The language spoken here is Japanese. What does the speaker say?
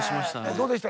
どうでした？